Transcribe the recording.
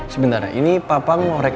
sebentar ya ini papa ngorek